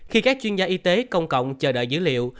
khi các chuyên gia y tế công cộng chờ đợi dữ liệu